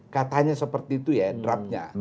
katanya seperti itu ya draftnya